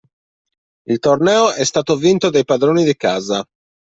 Il torneo è stato vinto dai padroni di casa.